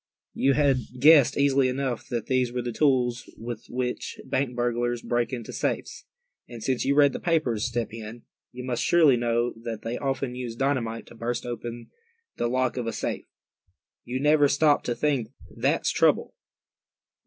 You had guessed easily enough that these were the tools with which bank burglars break into safes. And since you read the papers, Step Hen, you must surely know that they often use dynamite to burst open the lock of a safe. You never stopped to think, that's the trouble.